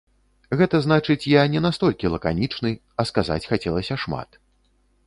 Гэта значыць, я не настолькі лаканічны, а сказаць хацелася шмат.